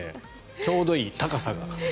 ちょうどいい、高さが。